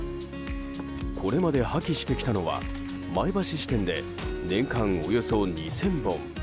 これまで破棄してきたのは前橋支店で年間およそ２０００本。